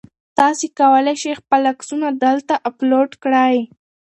تاسي کولای شئ خپل عکسونه دلته اپلوډ کړئ.